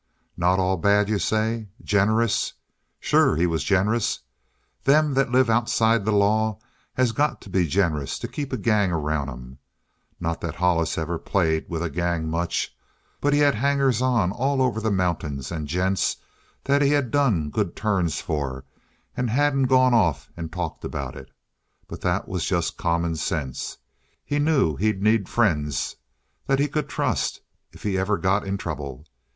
"Not all bad, you say? Generous? Sure he was generous. Them that live outside the law has got to be generous to keep a gang around 'em. Not that Hollis ever played with a gang much, but he had hangers on all over the mountains and gents that he had done good turns for and hadn't gone off and talked about it. But that was just common sense. He knew he'd need friends that he could trust if he ever got in trouble.